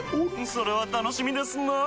それは楽しみですなぁ。